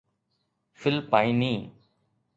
فلپائني